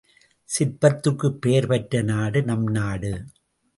சிற்பத்திற்குப் பெயர் பெற்ற நாடு நம் நாடு.